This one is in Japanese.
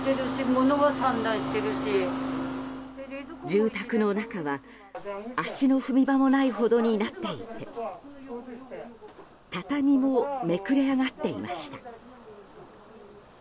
住宅の中は、足の踏み場もないほどになっていて畳もめくれ上がっていました。